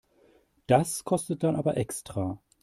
Das kostet dann aber extra.